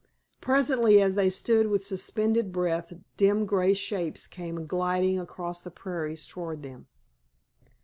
Presently as they stood with suspended breath dim grey shapes came gliding across the prairies toward them.